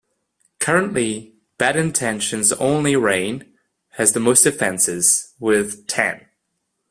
Currently, Bad Intentions' only reign has the most defenses, with ten.